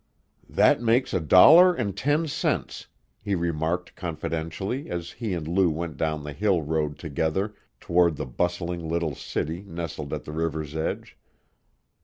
"That makes a dollar and ten cents!" he remarked confidentially as he and Lou went down the hill road together toward the bustling little city nestled at the river's edge.